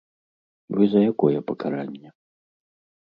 Вы за якое пакаранне?